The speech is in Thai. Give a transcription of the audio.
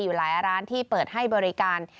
อยู่หลายร้านที่เปิดให้บริการ